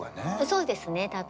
そうですね多分。